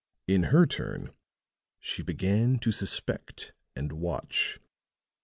In her turn she began to suspect and watch.